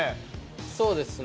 そうですね。